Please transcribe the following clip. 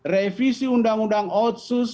revisi undang undang otsus